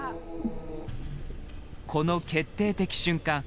この決定的瞬間。